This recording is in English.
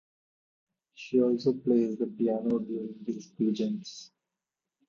She also plays the piano during these pageants.